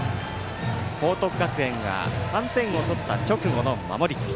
報徳学園が３点を取った直後の守り。